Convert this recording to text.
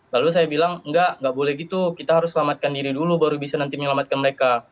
lalu saya bilang enggak boleh gitu kita harus selamatkan diri dulu baru bisa nanti menyelamatkan mereka